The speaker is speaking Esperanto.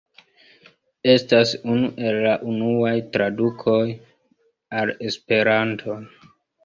Estas unu el la unuaj tradukoj al Esperanto.